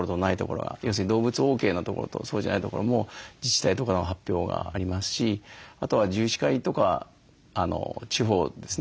要するに動物ＯＫなところとそうじゃないところも自治体とかの発表がありますしあとは獣医師会とか地方ですね